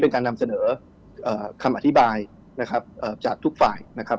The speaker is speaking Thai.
เป็นการนำเสนอคำอธิบายจากทุกฝ่ายนะครับ